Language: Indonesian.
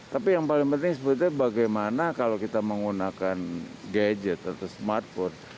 tapi yang paling penting sebetulnya bagaimana kalau kita menggunakan gadget atau smartphone